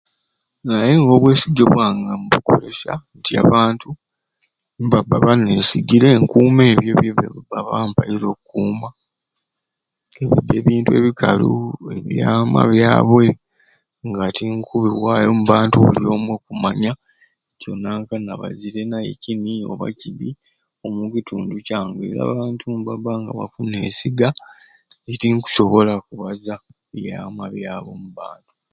Naye obwesige bwange mbukoleserye nti abantu nibabba baneisigire nkuuma ebyo byebabba bampaire okukuuma ebintu ekikalu ebyama byabwe nga tinkubiwaatyo mu bantu buli omwei okumanya nti o nanka nabazire naye kini oba kidi omukitundu kyange abantu nibabba nga bakunesiga nje tinkusobola kubaza byama byabwe o mu bantu